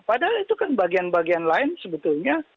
padahal itu kan bagian bagian lain sebetulnya